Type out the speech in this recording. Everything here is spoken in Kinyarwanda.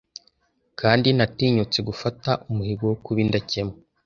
kandi natinyutse gufata umuhigo wo kuba indakemwa